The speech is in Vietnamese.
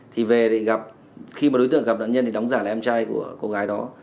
thì về để gặp khi mà đối tượng gặp nạn nhân thì đóng giả là em trai của cô gái đó